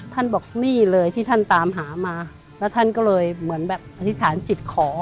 ท่านบอกนี่เลยที่ท่านตามหามาแล้วท่านก็เลยเหมือนแบบอธิษฐานจิตขอ